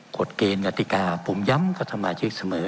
กฎเกณฑ์ราธิกาผมย้ำกฎหมายชื่อเสมอ